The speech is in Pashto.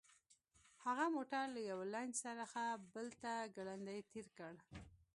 هغه موټر له یوه لین څخه بل ته ګړندی تیر کړ